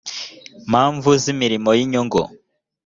mpamvu z imirimo y inyungu